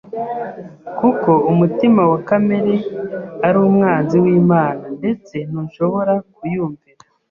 Kuko umutima wa kamere “ari umwanzi w’Imana ndetse ntushobora kuyumvira